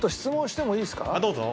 どうぞ。